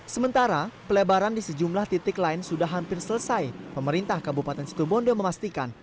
sementara pelebaran di sejumlah titik lain sudah hampir selesai pemerintah kabupaten situbondo memastikan